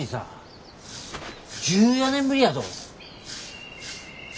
１４年ぶりやぞ。